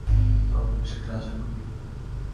আমিও সেটা আশা করি।